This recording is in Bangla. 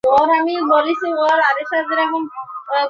আর আমার দরকার নেই।